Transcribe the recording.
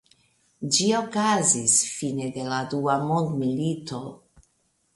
Ĝi okazis fine de la dua mondmilito.